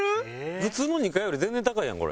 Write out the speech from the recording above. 普通の２階より全然高いやんこれ。